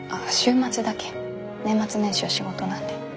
年末年始は仕事なんで。